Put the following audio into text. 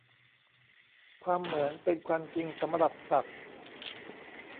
ความเหมือนเป็นความจริงสำหรับสัตว์